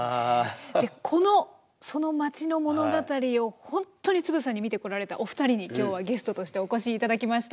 でこのその町の物語を本当につぶさに見てこられたお二人に今日はゲストとしてお越し頂きました。